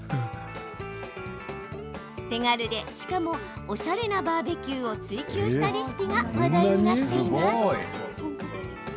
手軽で、しかもおしゃれなバーベキューを追求したレシピが話題になっています。